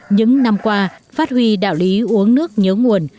những năm qua phát huy đạo lý uống nước nhớ nguồn